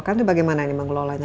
kan itu bagaimana ini mengelolanya